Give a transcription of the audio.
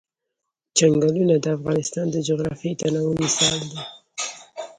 چنګلونه د افغانستان د جغرافیوي تنوع مثال دی.